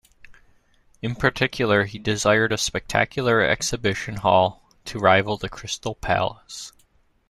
In particular, he desired a spectacular exhibition hall to rival The Crystal Palace.